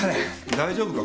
大丈夫か？